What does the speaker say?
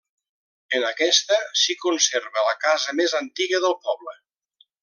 En aquesta s'hi conserva la casa més antiga del poble.